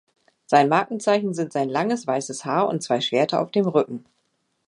Seine Markenzeichen sind sein langes weißes Haar und zwei Schwerter auf dem Rücken.